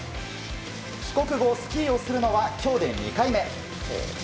帰国後スキーをするのは今日で２回目。